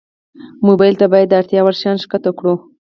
موبایل ته باید د اړتیا وړ شیان ښکته کړو.